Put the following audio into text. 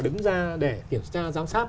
đứng ra để kiểm tra giám sát